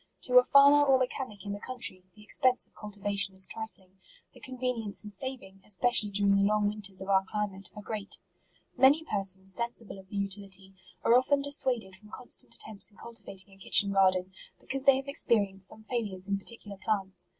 To a farmer or mechanic in the country, the expense of cultivation is trifling ; the conve nience and saving, especially during the long winters of our climate, are great. 30 MARCH. "Many persons, sensible of the utility, are often dissuaded from constant attempts in cultivating a kitchen garden, because they have experienced some failures in particular plants.